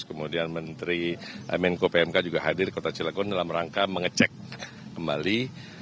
kemudian menteri mnkopmk juga hadir kota cilgon dalam rangka mengecek kembali